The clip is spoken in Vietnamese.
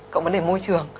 cộng vấn đề môi trường